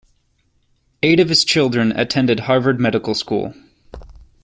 Eight of his children attended Harvard Medical School.